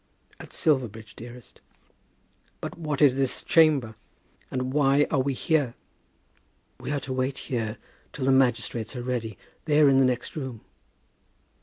"At Silverbridge, dearest." "But what is this chamber? And why are we here?" "We are to wait here till the magistrates are ready. They are in the next room."